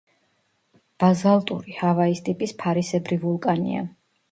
ბაზალტური ჰავაის ტიპის ფარისებრი ვულკანია.